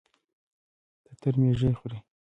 تتر ميږي خوري.